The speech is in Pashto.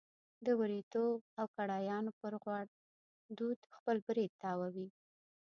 د وریتو او کړایانو پر غوړ دود خپل برېت تاووي.